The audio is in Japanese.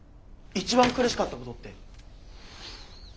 一番苦しかったこと。